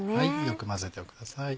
よく混ぜてください。